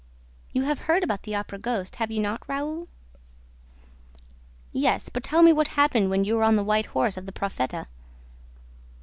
You have heard about the Opera ghost, have you not, Raoul?" "Yes, but tell me what happened when you were on the white horse of the Profeta?"